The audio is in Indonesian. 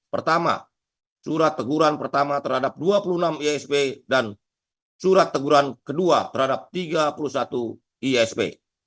pertama surat teguran pertama terhadap dua puluh enam isp dan surat teguran kedua terhadap tiga puluh satu isp